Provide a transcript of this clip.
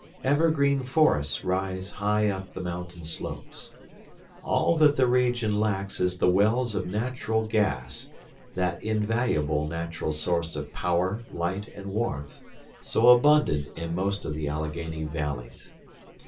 Evergreen forests rise high up the mountain slopes. All that the region lacks is the wells of natural gas, that invaluable natural source of power, light, and warmth, so abundant in most of the Alleghany valleys.